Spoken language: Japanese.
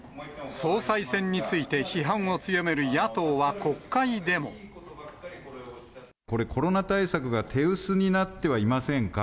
総裁選について批判を強めるこれ、コロナ対策が手薄になってはいませんか。